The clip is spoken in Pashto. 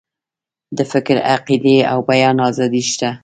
د فکر، عقیدې او بیان آزادي شته.